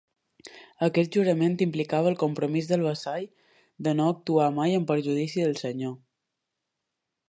Aquest jurament implicava el compromís del vassall de no actuar mai en perjudici del senyor.